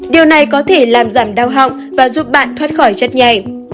điều này có thể làm giảm đau họng và giúp bạn thoát khỏi chất nhạy